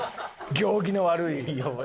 行儀の悪い。